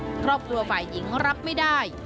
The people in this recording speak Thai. เพราะครอบครัวฝ่ายหญิงรับไม่ได้